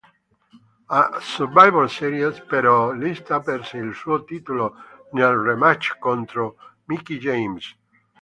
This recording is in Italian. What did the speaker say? A Survivor Series, però, Lita perse il suo titolo nel rematch contro Mickie James.